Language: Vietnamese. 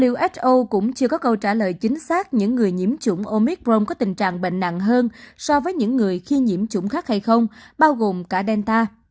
uso cũng chưa có câu trả lời chính xác những người nhiễm chủng omic rong có tình trạng bệnh nặng hơn so với những người khi nhiễm chủng khác hay không bao gồm cả delta